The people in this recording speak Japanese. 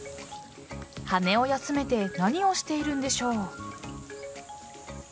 羽を休めて何をしているんでしょう。